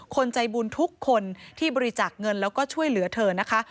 คนใจบุญทุกคนที่บริจาคเงินแล้วก็ช่วยเหลือเธอนะคะ